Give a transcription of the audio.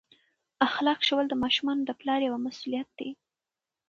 اخلاق ښوول د ماشومانو د پلار یوه مسؤلیت ده.